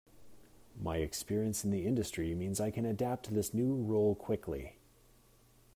My experience in the industry means I can adapt to this new role quickly.